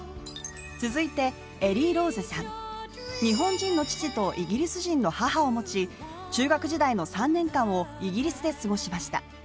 続いて、エリーローズさん日本人の父とイギリス人の母を持ち、中学時代の３年間を、イギリスで過ごしました。